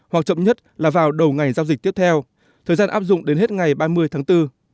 hoặc chậm nhất là vào đầu ngày giao dịch tiếp theo thời gian áp dụng đến hết ngày ba mươi tháng bốn